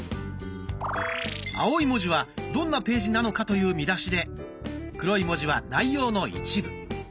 青い文字はどんなページなのかという見出しで黒い文字は内容の一部。